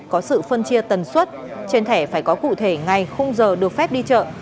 có sự phân chia tần suất trên thẻ phải có cụ thể ngày không giờ được phép đi chợ